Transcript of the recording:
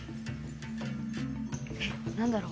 え何だろう？